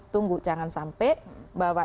tunggu jangan sampai bahwa